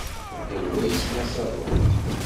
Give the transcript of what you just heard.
Yal wa yessen asaḍuf.